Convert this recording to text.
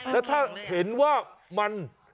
แล้วถ้าเห็นว่ามัน